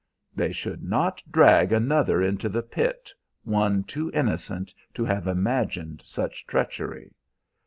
"They should not drag another into the pit, one too innocent to have imagined such treachery."